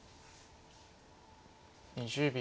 ２０秒。